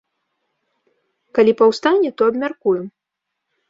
Калі паўстане, то абмяркуем.